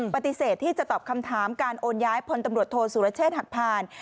ปฏิเสธที่จะตอบคำถามการโอนย้ายพลตำรวจโทษสุรเชษฐ์หักผ่าน